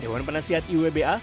dewan penasihat iwba